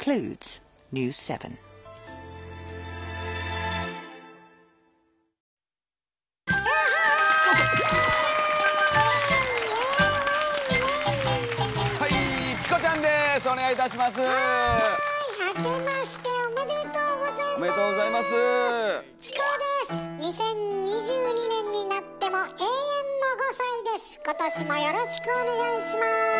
今年もよろしくお願いします！